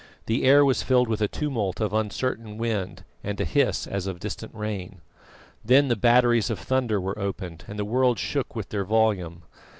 The air was filled with a tumult of uncertain wind and a hiss as of distant rain. Then the batteries of thunder were opened, and the world shook with their volume.